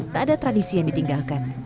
tak ada tradisi yang ditinggalkan